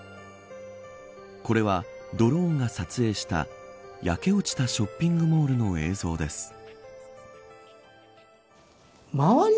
これはドローンが撮影した焼け落ちたショッピングモールの映像です。